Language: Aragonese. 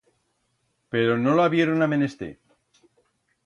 Pero no lo habieron a menester.